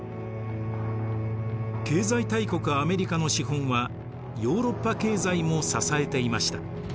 経済大国アメリカの資本はヨーロッパ経済も支えていました。